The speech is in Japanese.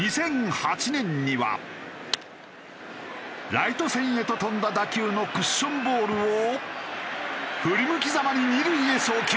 ライト線へと飛んだ打球のクッションボールを振り向きざまに二塁へ送球。